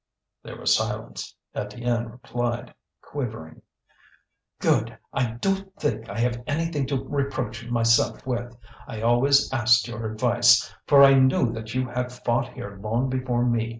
There was silence. Étienne replied, quivering: "Good! I don't think I have anything to reproach myself with. I always asked your advice, for I knew that you had fought here long before me.